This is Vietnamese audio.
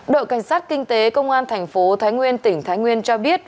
đội cảnh sát kinh tế công an tp thái nguyên tỉnh thái nguyên cho biết